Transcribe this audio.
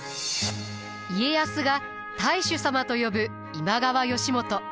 家康が太守様と呼ぶ今川義元。